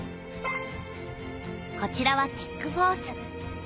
こちらは「テック・フォース」。